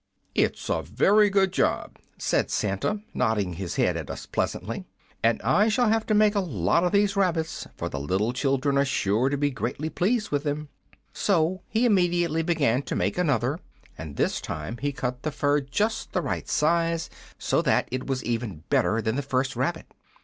"'It's a very good job,' said Santa, nodding his head at us pleasantly; 'and I shall have to make a lot of these rabbits, for the little children are sure to be greatly pleased with them.' "So he immediately began to make another, and this time he cut the fur just the right size, so that it was even better than the first rabbit.